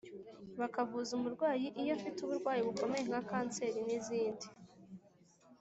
bakavuza umurwayi iyo afite uburwayi bukomeye nka canseri n‘izindi…